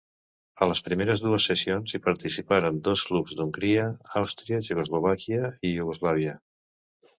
A les primeres dues sessions hi participaren dos clubs d'Hongria, Àustria, Txecoslovàquia i Iugoslàvia.